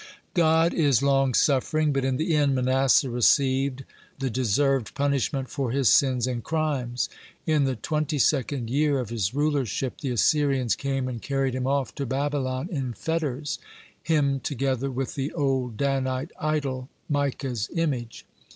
(105) God is long suffering, but in the end Manasseh received the deserved punishment for his sins and crimes. In the twenty second year of his rulership, the Assyrians came and carried him off to Babylon in fetters, him together with the old Danite idol, Micah's image.